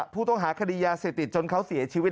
ผู้ต้องหาคดียาเสพติดจนเขาเสียชีวิต